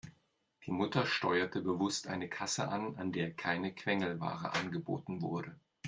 Die Mutter steuerte bewusst eine Kasse an, an der keine Quengelware angeboten wurde.